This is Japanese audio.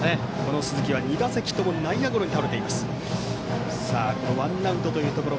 鈴木は２打席ともに内野ゴロに倒れています。